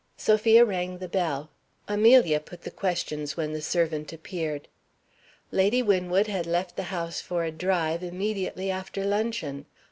Sophia rang the bell. Amelia put the questions when the servant appeared. Lady Winwood had left the house for a drive immediately after luncheon.